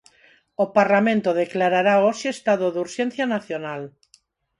O Parlamento declarará hoxe estado de urxencia nacional.